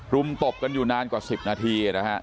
มตบกันอยู่นานกว่า๑๐นาทีนะฮะ